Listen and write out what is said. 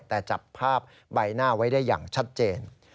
แต่จับภาพใบหน้าไว้ได้อย่างชัดเจน